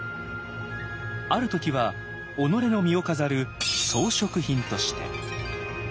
ある時は己の身を飾る「装飾品」として。